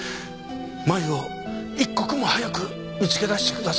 麻由を一刻も早く見つけ出してください。